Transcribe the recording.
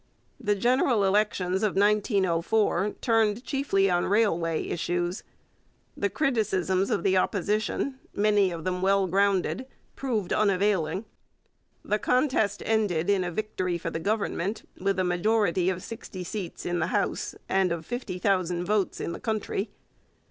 The general elections of 1904 turned chiefly on railway issues. The criticisms of the Opposition, many of them well grounded, proved unavailing. The contest ended in a victory for the Government with a majority of sixty seats in the House and of fifty thousand votes in the country.